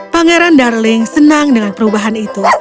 pangeran darling senang dengan perubahan itu